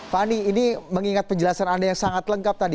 fani ini mengingat penjelasan anda yang sangat lengkap tadi